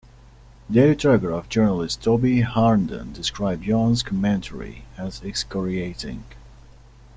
"Daily Telegraph" journalist Toby Harnden described Yon's commentary as "excoriating".